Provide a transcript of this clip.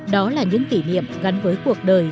đó là những kỷ niệm gắn với cuộc đời